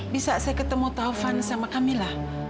bisa saya ketemu taufan sama kamila